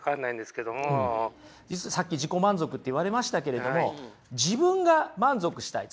実はさっき「自己満足」って言われましたけれども自分が満足したい。